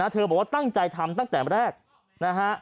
เธอบอกว่าตั้งใจทำตั้งแต่แรกนะฮะ